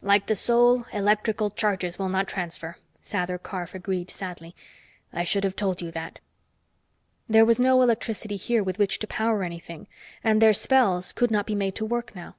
"Like the soul, electrical charges will not transfer," Sather Karf agreed sadly. "I should have told you that." There was no electricity here with which to power anything, and their spells could not be made to work now.